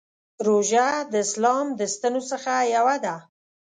روژه د اسلام د ستنو څخه یوه ده.